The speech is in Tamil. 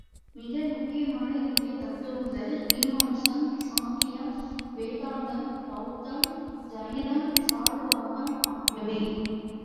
மிக முக்கியமான இந்திய தத்துவங்கள், மீமாம்சம், சாங்கியம், வேதாந்தம், பெளத்தம் ஜைனம் சாரு வாகம் ஆகியவை.